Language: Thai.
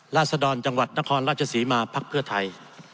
ราศดรจังหวัดนครราชสีมาพักเพื่อไทย